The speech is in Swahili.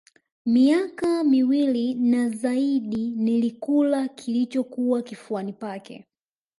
Miaka miswili na zaidi nilikula kilichokuwa kifuani pake